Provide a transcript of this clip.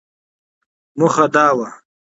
موخه دا وه ،